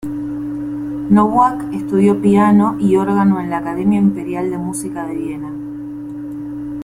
Nowak estudió piano y órgano en la Academia imperial de música de Viena.